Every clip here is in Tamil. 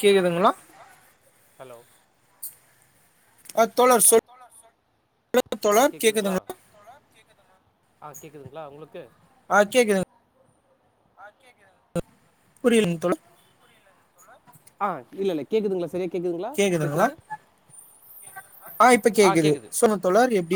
கேக்குதுங்களா ஹலோ அ தோழா சொல் ஆ கேக்குதுங்களா சொல்லுங்க தோழா கேக்கு ஆ கேட்குதுங்களா உங்களுக்கு ஆ கேக்குதுங் ஆ கேக்குதுங் புரியலிங் தோழா ஆ ஆ இல்லல்ல கேக்குதுங்களா சரியா கேக்குதுங்களா பேசுறது கேக்குதுங்களா ஆ கேக்குது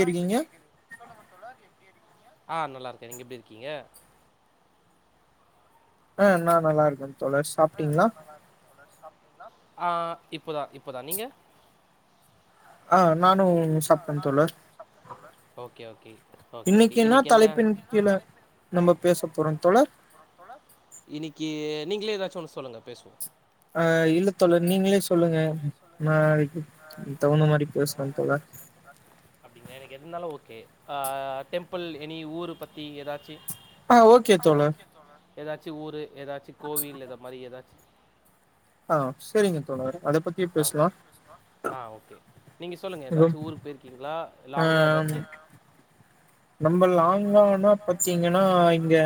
ஆ இப்ப கேக்குது செல்லுங்க தோழா எப்டி இருகீங்க ஆ நல்லா இருக்கே நீங்க எப்டி இருக்கீங்க ஆ நா நல்லா இருக்கே தோழர்ஸ் ஆ நா நல்ல இருக்கே தோழர்ஸ் சாப்டிங்ளா ஆ இப்போதா இப்போதா நீங்க ஆ நானு ஆ நானு சாப்டே தோழர் ஓகே ஓகே ஓகேகே இன்னிக்கு என்ன தலைப்பு நம்ப பேச போறோ தோழா ஆ தோழா இன்னிக்கு நீங்களே ஏதாச்சு ஒன்னு சொல்லுங்க பேசுவோ ஆ இல்ல தோழர் நீங்களே சொல்லுங்க நான் அதுக்கு தகுந்த மாரி பேசுற தோழா வா அப்டிங்ளா எனக்கு எதுனாலு ஓகே டெம்புள் எனி ஊரு பத்தி ஏதாச்சு ஆ ஓகே தோழா ஏதாச்சு ஊரு ஏதாச்சு கோவில் இத மாரி ஏதாச்சு ஆ சரிங்க தோழா அத பத்தியே பேசலா ஆ ஓகே நீங்க சொல்லுங்க ஏதாச்சு ஊருக்கு போய்ருக்கீங்ளா லாங்க ஏதாச்சு ஆ ரொம்ப லாங்க ஆனா பாத்தீங்ன்னா இங்க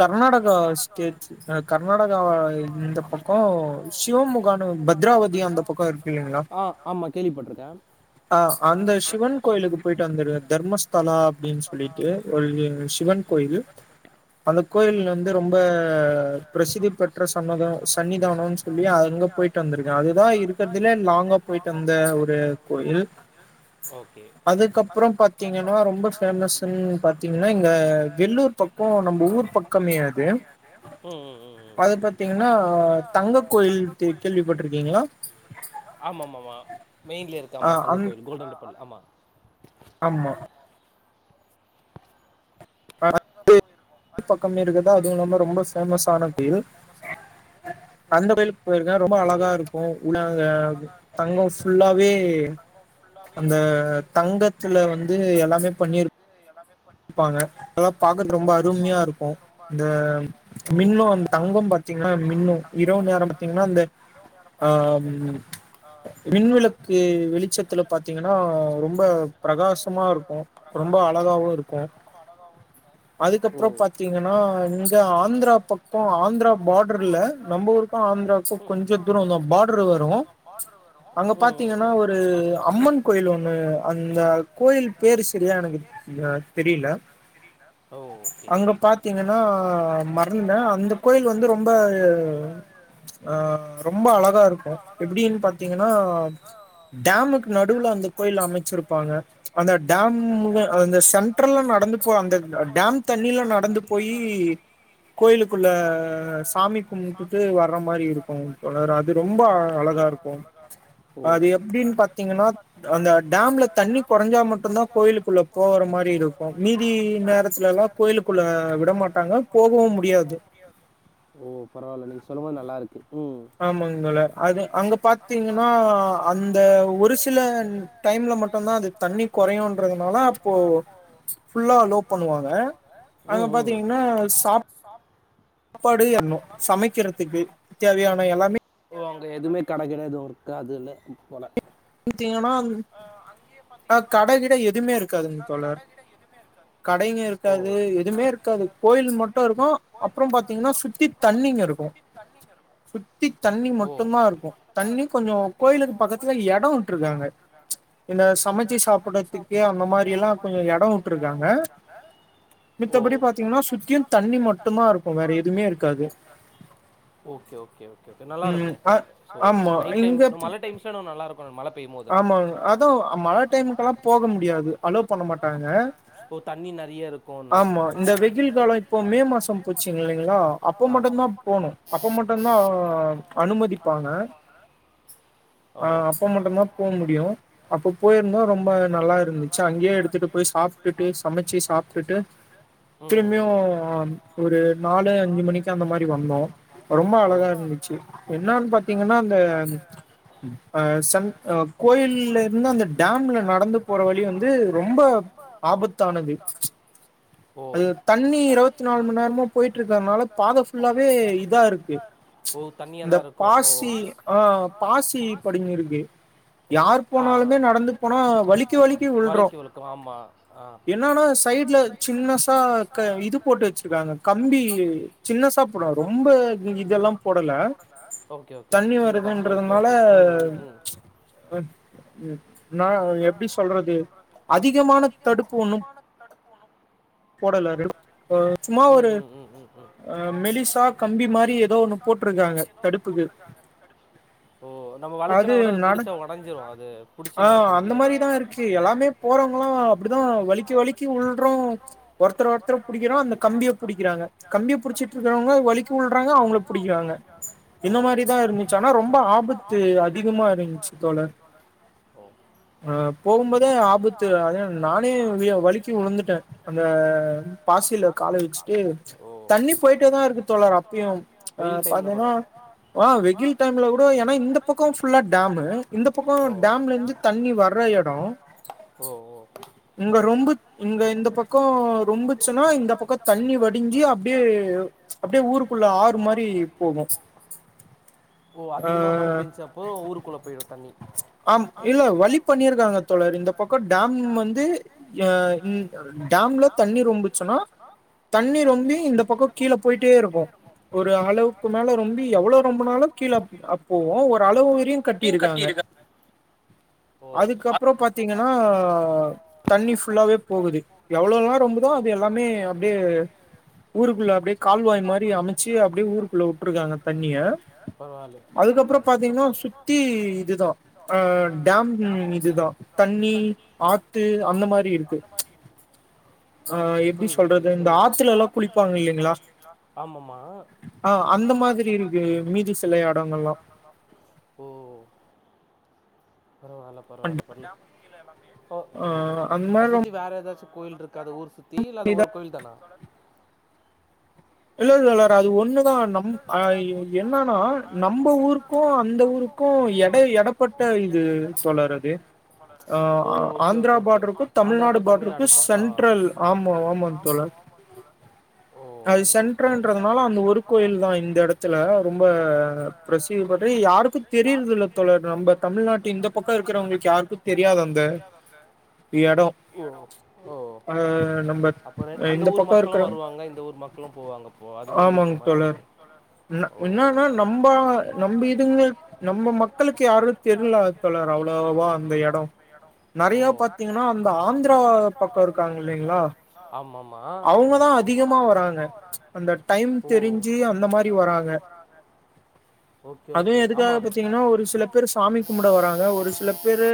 கர்நாடகா ஸ்டேட் அத் கர்நாடகாவ இந்த பக்கோ சிவமுகானு பத்ராவதிய அந்த பக்கோ இருக்கு இல்லைங்ளா ஆ ஆமா கேள்விபட்ருக்கே ஆ அந்த சிவன் கோயிலுக்கு போயிட்டு வத்துரு தர்மஸ்தலா அப்டினு சொல்லிட்டு ஒரு சிவன் கோயில் அந்த கோயில வந்து ரொம்ப பிரசிக்க பெற்ற சம்மதோ சன்னிதானோ சொல்லி அங்க போயிட்டு வந்திருக்கே அதுதா இருக்கறதுலயே லாங்கா போயிட்டு வந்த ஒரு கோயில் அதுக்கப்றோ ப த்தீங்ன்னா ரொம்ப பேஃமஸ்னு பாத்தீங்ன்னா இங்க வெள்ளூர் பக்கோ நம்ப ஊர் பக்கமே அது அது பாத்தீங்ன்னா தங்க கோயில் தே கேள்விபட்ருக்கீங்ளா ஆமா ஆமாமா மெயின்லே இருக்க ஆமா தங்க கோயில் கோல்டன் டெப்பல் ஆமா ஆமா அங்க போயிருக்கோ ட்டு பக்கமே இருக்குதா அதுவு இல்லாம ரொம்ப ஃபேமஸ்சான கோயில் அந்த கோயிலுக் கு போயிருக்க ரொம்ப அழகா இருக்கு உள்ள அங்க தங்கோ ஃபுல்லாவே அந்த தங்கத்துல வந்து எல்லாமே பண்ணிரு எல்லாமே ப்பாங்க அத பாக்குறது ரொம்ப அருமையா இருக்கு இந்த மின்னு அந் தங்கோ பா த்திங்னா மின்னு இரவு நேரோ பத்தீங்ன்னா இந்த அ மின்விளக் கு வெளிச்சத்துல பாத்தீங்ன்னா ரொம்ப பிரகாசமா இருக்கு ரொம்ப அழகாவு இருக் ரொம்ப அழகாவு இருக்கு அதுக்கப்றோ பாத்தீங்ன்னா இங்க ஆந்திரா பக்கோ ஆந்திரா பார்டருல நம்ப ஊருக்கு ஆந்தராக்கு கொஞ்சோ தூரோ அந்த பாட்ரு வரு பாட்ருவரு அங்க பாத்தீங்ன்னா ஒரு அம்மன் கோயில் ஒண்ணு அந்த கோயில் பேரு செரியா எனக்கு அ தெரில தெரில அங்க பாத்தீங்ன்னா மறந்த அந்த கோயில் வந்து ரொம்ப வந்து ஆ ரொம்ப அழகா இருக்கு எப்டின்னு பாத்தீங்ன்னா டேமுக்கு நடுவுல அந்த கோயில் அமசிருப்பாங்க அந்த டேமுமே அந்த சென்ட்ரல் அந்த சென்ட்ர அந்த அ டேம் தண்ணியில நடந்து போயி கோயிலுக்குள்ள சாமி கும்பிட்டுட்டு வர்ற மாரி இருக்கு தோழர் அது ரொம்ப அழகா இருக்கு அது எப்டினு பாத்தீங்ன்னா அந்த டேம்ல தண்ணி கொறஞ்சா மட்டு தா கோயிலு உள்ள போற மாரி இருக்கு மீதி சிலர் எலாம கோயிலுக்குள்ள விடமாட்டாங்க போகவு முடியாது ஓ பரவாயில்ல நீங்க சொல்லபோது நல்லாருக்கு ம் ஆமாங் தோழர் அது அங்க பாத்தீங்கனா அந்த ஒரு சில டைம்ல மட்டும்தா அது தண்ணி குறையுன்றதுனால அப்போ ஃபுல்லா அலோ பண்ணுவாங்க அங்க பாத்தீங்கனா சாப் படு என்னு சமைக்கிறதுக்கு தேவையான எல்லாமே ஒ அங்க எதுமே கட கிடாது கிடையாது எதுவுமே இருகாதுல போல பத்தீங்கனா ஆ கடைகிட எதுமே இருக்கா காது தோழர் கடைங்க இருக்காது எதுமே இருக்காது கோயில் மட்டு தா இருக்கு அப்றோ பாத்தீங்னா சுத்தி தண்ணீங்க இருக்கு தண்ணி இருக்கு சுத்தி தண்ணி மட்டுதா இருக்கு தண்ணி கொஞ்சம் கோயிலுக்கு பக்கத்துல இட எடம் வுட்ருகாங்கா இந்த சமைச்சி சாப்டுறதுக்கு அந்த மாரில்லாம் எடம் விட்டுருக்காங்க ஓ மத்தபடி பாத்தீங்கன்னா சுத்தியும் தண்ணி மொத்தமா இருக்கும் வேற எதுமே இருக்காது ஓகே ஓகே ஓகே கே நல்லாருக்கும் போல சோ நைட் டைம்ஸ் மழ டைம்ஸ்ல நல்லாருக்கும் போல மழ பெய்யும் போதலாம் ஆமா அதா மழ டைம்லா போக முடியாது அலோ பன்னமாட்டாங்க இப்போ தண்ணி நெறையா இருக்கும் நாளையோ ஆம்மா இந்த வெயில் காலம் இப்போ மே மாசம் ஆமா அதுமட்டுதா அதுமட்டுமா அது அ அப்ப மட்டும்தான் போ முடியும் அப்போ போயிருந்தா ரொம்ப நல்லா இருந்துச்சு அங்கேயே எடுத்துட்டு போய் சாப்ட் டுட்டு சமைச்சு சாப்ட்டுட்டு திருப்பியும் ஒரு நாலு அஞ்சு மணிக்கு அந்த மாரி வந்தோ ரொம்ப அழகா இருந்துச்சு என்னன்னு பாத்தீங்கன்னா அந்த அ சன் ஆ கோயில்லருந்து அந்த டாம்ல நடந்து போற வழி வந்து ரொம்ப ஆபத்து ஆபத்தானது அது தண்ணி இருவத்திநாலு மணி நேரமா போயிட்டு இருக்கிறதுனால பாதை ஃபுல்லாவே இதா இருக்கு இந்த பாசி ஆ பாசி படிங்கிருக்கு யார் போனாலுமே நடந்து போனா வலிக்கி வலிக்கு விழுறோம் என்னன்னா சைட்ல சில்னசா கயி இது போட்டு வச்சிருக்காங்க கம்பி சில்னசா போட்றாங்க ரொம்ப இதெல்லாம் போடல தண்ணி வருதுன்றதுனால ல ஆமா ம் நான் எப்டி சொல்றது அதிகமான தடுப்பு ஒண்ணும் போடல [unintelligible] சும்மா ஒரு மெலிசா கம்பி மா மெலிசா கம்பி மாரி எதோ போட்டுருக்காங்க தடுப்பு ஓ நம்ம வழுக்குனா கூட புடிச்சா உட பஞ்சவாது ஆ அந்த மாரிதான் இருக்கு எல்லாமே போறவங்கா அப்டிதான் வழிக்கி வழிக்கி உள்றோம் ஒருத்தர் ஒருத்தரை புடிக்கிறோ அந்த கம்பியை புடிக்கிறாங்க கம்பியை புடிச்சிட்டுயிருக்கிறவங்க வழிக்கு வழ்றாங்க அவுங்கள புடிக்கிறாங்க இந்த மாரி தான் இருந்துச்சு ஆனா ரொம்ப ஆபத்து அதிகமா இருந்துச்சு தோழர் ஆ போகும்போதே ஆபத்து அத நானே வழுக்கி விழுந்துட்டேன் அந்த பாசியில கால வச்சுட்டு தண்ணி போயிட்டே தான் இருக்கு தோழரே [unintelligible] ஆ சாதன்னா ஆ வெயில் டைம்ல கூட என்னா இந்த பக்கம் ஃபுல்லா டாமு இந்த பக்கம் டேம்லயிருந்து தண்ணி வர இடம் இங்க ரொம்ப இங்க இந்த பக்கோ ரொம்புச்சுன்னா இந்த பக்க தண்ணி வடிஞ்சி அப்டியே அப்டியே ஊருக்குள்ள ஆறு மாரி போகு ஓ அதிகமா மழை பெஞ்சப்போ ஊருகுள்ள போயிடு தண்ணி ஆம் இல்ல வழி பண்ணிருக்காங்க தோழரே இந்த பக்கம் டேம் வந்து ய ம் டேம்ல தண்ணி ரொம்புச்சுன்னா தண்ணி ரொம்பி இந்த பக்கம் கீழ போயிட்டே இருக்கும் ஒரு அளவுக்கு மேல ரொம்பி எவ்ளோ ரொம்புனாலும் கீழ அப்போவும் ஒரு அளவு வரியையும் கட்டியிருக்காங்க அதுக்கப்புறம் பாத்தீங்கன்னா தண்ணி ஃபுல்லாவே போகுது எவ்வளவுல்லாம் ரொம்பதோ அது எல்லாமே அப்டியே ஊருக்குள்ள அப்டியே கால்வாய் மாரி அமைச்சு அப்டியே ஊருக்குள்ள விட்டுருக்காங்க தண்ணிய அதுக்கப்புறம் பாத்தீங்கன்னா சுத்தி இதுதான் ஆஹ் டேம் இதுதா தண்ணி ஆத்து அந்த மாரி இருக்கு அஹ் எப்டி சொல்றது இந்த ஆத்துலல்லா குளிப்பாங்க இல்லைங்களா ஆஹ் அந்த மாதிரி இருக்கு மீதி சில இடங்கள்ல்லா ஓ பரவால்ல பரவால்ல பண்ண அத சுத்தி வேற ஏதாச்சு கோயில் இருக் அது ஊர் சுத்தி இல்ல அது ஒரு கோவில் தானா இல்லல்ல அது ஒண்ணுதா என்னன்னா நம்ம ஊருக்கு அந்த ஊருக்கு எட எடப்ப எடப்பட்ட இது சொல்லறது ஆஹ் ஆந்திரா பார்டருக்கு தமிழ்நாடு பார்டருக்கு சென்ட்ரல் ஆமா ஆமா தோழர் ஆ அது சென்டன்றதுனால அந்த ஒரு கோயில் தா இந்த இடத்துல ரொம்ப பிரசீஜரு யாருக்கு தெரியறது இல்ல தோழர் நம்ம தமிழ்நாட்டு இந்த பக்கோ இருக்கிறவங்களுக்கு யாருக்கு தெரியாது அந்த எடோ ஓ ஓ அப்புறோ அந்த ஊர் மக்களு வருவாங்க இந்த ஊர் மக்களு போவாங்க ப்போ அது மாரி இருக்குமா என்னன்னா நம்ப நம்ப இதுங்க நம்ம மக்களுக்கு யாரு தெரில தோழர் அவ்வளவா அந்த எடோ நிறையா பாத்தீங்கன்னா அந்த ஆந்திரா பக்கோ இருக் இருக்காங்க இல்லலைங்களா ஆமாமா அவங்கதா அதிகமா வராங்க ஓ அந்த மாரியு வராங்க அதுவு எதுக்காக பாத்தீங்கன்னா ஒரு சில பேர் சாமி கும்பிட வராங்க ஒரு சில பேரு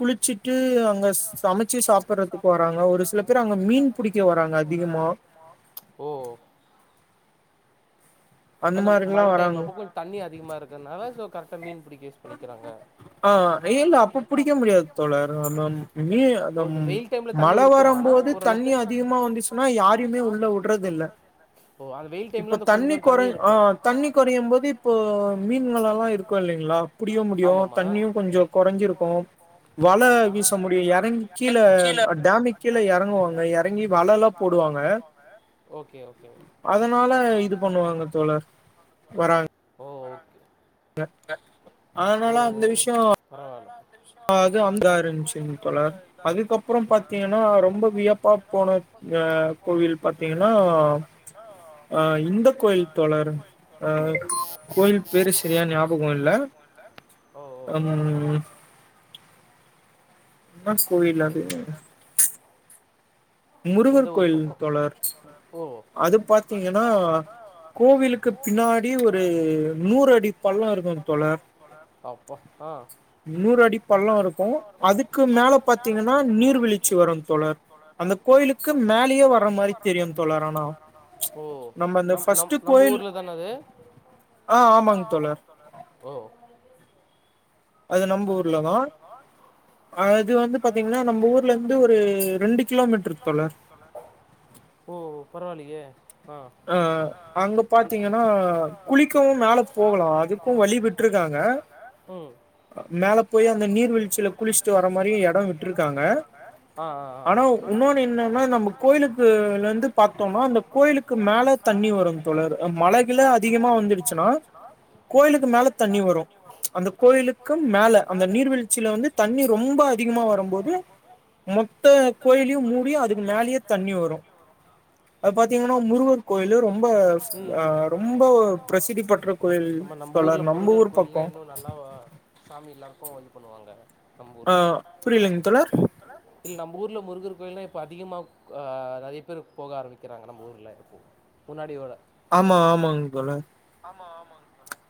குளிச்சிட்டு அங்க சமச்சு சாப்பிடறதுக்கு வராாங்க ஒரு சில பேர் அங்க மீன் புடிக்க வராங் வராங்க அதிகமா அந்த மழ டைம் அப்ப கொஞ்சோ தண்ணி அதிகமா இருக்கறனால சோ கரெக்டா மீன் பிடிக்க யூஸ் பண்ணிக்கிறாங்க ஆ எங்க அப்ப புடிக்க முடியாது தோழர் தண்ணி இருக்குமா ஆனா ஓரளவுக்கு ஓ அந்த வெயில் டைம்ல அந்த கொஞ்சோ தண்ணி இருக்கு ஆ தண்ணி குறையும் போது இப்போ மீன்களல்லா இருக்கு இல்லைங்களா புடிக்க முடியு தண்ணியு கொஞ்சோ குறஞ்சிருக்கு வல வீச முடியு இறங் கீழ டேமுக்கு கீழ இறங்குவாங்க இறங்கி வல லா வலல்லா போடுவாங்க ஓகே ஓகே அதனால இது பண்ணுவாங்க தோழர் வராங் ஓ அதனால அந்த விஷயோ பரவால்ல அது அழகா இருந்துச்சுங்க தோழர் அதுக்கப்புறோ பாத்தீங்கன்னா ரொம்ப வியப் ப்பா போன அ கோவில் பாத்தீங்கன்னா அஹ் இந்த கோயில் தோழர் ஆஹ் கோயில் பேரு சரியா ஞாபகோ இல்ல உம் என்னா கோயில் அது முருகர் கோயில் தோழர் அது பாத்தீங்கன்னா கோவிலுக் க்கு பின்னாடி ஒரு நூறு அடி பள்ளோ இருக்கு தோழர் அப்பா ஆ நூறடிப் நூறடி பள்ளோ இருக்கு அதுக்கு மேல பாத்தீங்கனா நீர்வீழ்ச்சி வரு தோழர் ஓ நம் நம் நம்ம ஊர்ல தானே அது ஓ அது நம்ப ஊர்லதா அது வந்து பாத்தீங்கனா நம்ப ஊர்ல இருந்து ஒரு ரெண்டு கிலோமீட்ருக் தோழர் ஓ பரவாலயே அ ம் மேல போய் அந்த நீர்விழ்ச்சில குளிச்சுட்டு வர மாரி எடோ விட்ருக்காங்க ஆனா இன்னொன்னு என்னன்னா நம்ப கோயிலுக்குலந்து பாத்தோனா அந்த கோயிலுக் கு மேல தண்ணி வரு தோழர் மழகில அதிகமா வந்துடுச்சுன்னா கோயிலுக்கு மேல தண்ணி வரும் அந்த கோயிலுக்கும் மேல அந்த நீர்வீழ்ச்சில வந்து தண்ணி ரொம்ப அதிகமா வரம்போது மொத்த கோயிலயு மூடி அதுக்கு மேலயே தண்ணி வரு அது பாத்தீங்க முருகர் கோயிலு ரொம்ப அ ரொம்ப பிரசிதி பெற்ற கோயில் நம்ம நம்ம ஊர்ல முருகர் கோயில்லா இன்னு நல்லா சாமி எல்லாருக்கு இது பண்ணுவாங்க நம்மூர்னா இல்ல நம்மூர்ல முருகர் கோயில்லா இப்ப அதிகமா அ நெறைய பேர் போக ஆரம்பிக்கிறாங்க நம்ம ஊர்ல இப்போ முன்னாடி வோட ஆமா ஆமாங் தோழர் ஆமா ஆமாங் தோழர்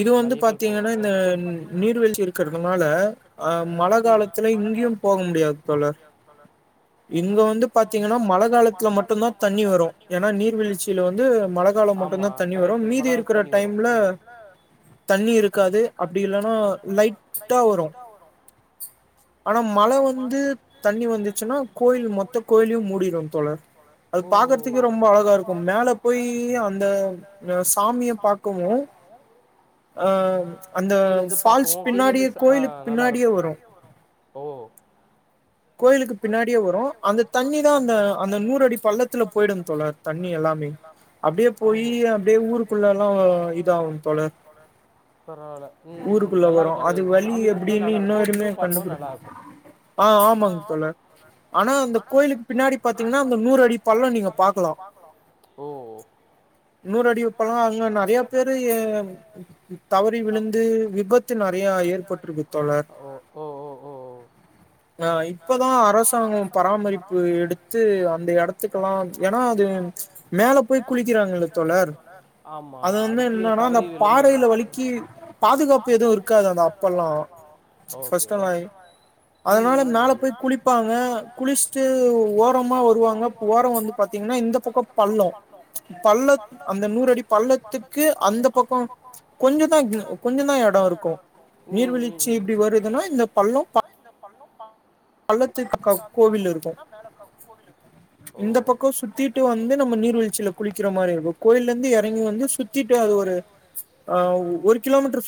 இது வந்து பாத்தீங்கனா இந்த நீர்வீழ்ச்சி இருக்கிறதுனால அ மழ காலத்துல எங்யு போக முடியாது தோழர் இங்க வந்து பாத்தீங்கனா மழ காலத்துல மட்டு தா தண்ணி வரு ஏனா நீர்வீழ்ச்சில வந்து மழ ஆமா கரைட்டு மழ காலத்துல தண்ணி வரு ம் தண்ணி இருக்காது அப்டி இல்லன்னா லைட்டா வரு ஆனா மழ வந்து தண்ணி வந்துச்சுன்னா கோயில் மொத்த கோயில்யு மூடிடு தோழர் அது பாக்குறதுக்கே ரொம்ப அழகா இருக்கு மேல போய் அந்த சாமிய பாக்கவு [inaudible] ஆ அந்த கீழந்து பாக்கவு கீழருந்து ச ஆ நல்லாருக்கு ஓ கோயிலுக்கு பின்னாடியே வரு அந்த தண்ணி தா அந்த அந்த நூறடி பள்ளத்துல பொயிடுன் சொல்றாரு தண்ணி எல்லாமே ஓ பரவால ம் ம் நல்லா இருக்கு அது சாமி கும்ட நல்லாருக்கு வியூ பாக்கவு நல்லாருக்கு ஆ ஆமாங்க தோழர் ஆனா அந்த கோயிலுக்கு பின்னாடி பாத்தீங்கனா அந்த நூறடி பள்ளோ நீங்க பாக்லா ஓ நூறடி அப்பெல்லா அங்க நெறையா பேரு ஏ தவறி விழுந்து விபத் து நெறையா ஏற்பட்ருக்கு தோழர் ஓ ஓ ஓ ஆ இப்பதா அரசாங்கோ பராமரிப்பு எடுத்து அந்த எடத்துக்கெலா ஏனா அது மேல போய் குளிக்கிறாங்கல தோழர் அது வந்து என்னன்னா அந்த பாறையில வழிக்கி பாதுகாப்பு எதுவு இருக்காது அது அப்பெல்லா ஃபர்ஸ்டெலாய் அதனால மேல போய் குளிப்பாங்க குளிச்சுட்டு ஓரமா வருவாங்க ஓரோ வந்து பாத்தீங்கனா இந்த பக்கோ பள்ளோ பள்ளத் அந்த நூறடி பள்ளத்துக்கு அந்த பக்கோ கொஞ்சதா கொஞ்சந்தா எடோ இருக்கு நீர்வீழ்ச்சி இப்டி வருதுன்னா இந்த பள்ளோ ப இந்த பள்ளோ ப பள்ளத்துக்கு கோவில் இருக்கு இந்த பக்க சுத்திட்டு வந்து நம்ம நீர்வீழ்ச்சியில குளிக்கிற மாரி இருக்கு கோயில இருந்து எறங்கி வந்து சுத்திட்டு அது ஒரு அ ஒரு கிலோமீட்டர் சுத்